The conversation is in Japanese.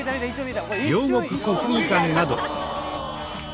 両国国技館など。